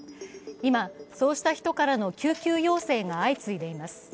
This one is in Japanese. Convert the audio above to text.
今、そうした人からの救急要請が相次いでいます。